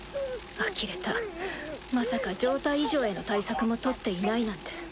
あきれたまさか状態異常への対策もとっていないなんて。